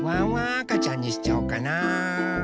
あかちゃんにしちゃおうかな。